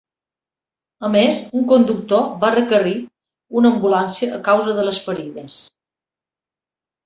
A més, un conductor va requerir una ambulància a causa de les ferides.